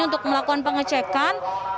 untuk melakukan pengecekan